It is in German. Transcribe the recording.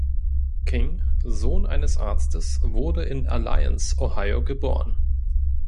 King, Sohn eines Arztes, wurde in Alliance, Ohio geboren.